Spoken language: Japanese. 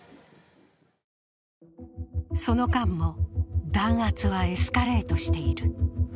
その間も弾圧はエスカレートしている。